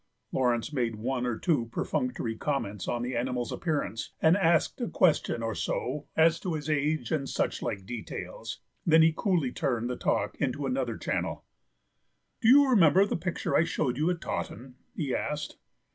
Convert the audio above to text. Laurence made one or two perfunctory comments on the animal's appearance and asked a question or so as to his age and such like details; then he coolly turned the talk into another channel. "Do you remember the picture I showed you at Taunton?" he asked.